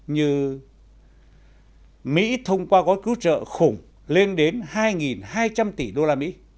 như mỹ thông qua gói cứu trợ khủng lên đến hai hai trăm linh tỷ usd